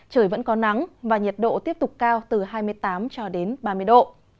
trời vẫn có nắng và nhiệt độ tiếp tục cao từ hai mươi tám cho đến ba mươi độ